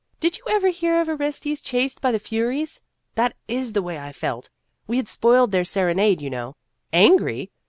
Did you ever hear of Orestes chased by the Furies? That is the way I felt. We had spoiled their serenade, you know. Angry